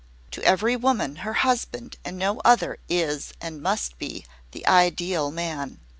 To every woman her husband and no other is and must be the Ideal Man.